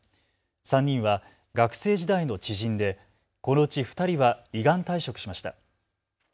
３人は学生時代の知人でこのうち２人は依願退職しました。